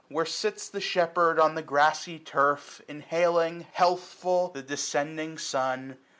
Where sits the shepherd on the grassy turf, 830 Inhaling, healthful, the descending sun.